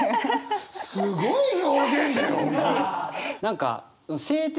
すごい表現だよ。